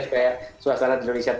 supaya suasana di indonesia